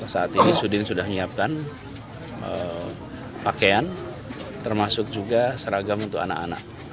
saat ini sudin sudah menyiapkan pakaian termasuk juga seragam untuk anak anak